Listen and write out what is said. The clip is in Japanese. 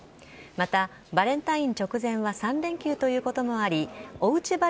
また、バレンタイン直前は３連休ということもありおうち